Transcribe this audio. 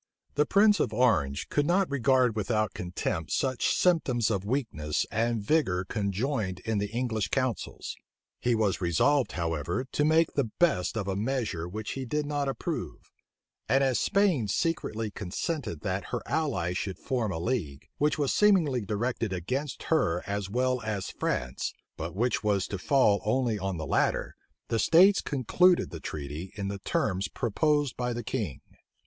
{1678.} The prince of Orange could not regard without contempt such symptoms of weakness and vigor conjoined in the English counsels. He was resolved, however, to make the best of a measure which he did not approve; and as Spain secretly consented that her ally should form a league, which was seemingly directed against her as well as France, but which was to fall only on the latter, the states concluded the treaty in the terms proposed by the king.